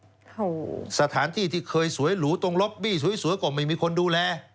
โอ้โหสถานที่ที่เคยสวยหรูตรงล็อบบี้สวยก็ไม่มีคนดูแล